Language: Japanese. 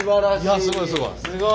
いやすごいすごい。